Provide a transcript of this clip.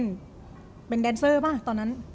คือเป็นแดนซ์เซอร์มั้ยตอนนั้น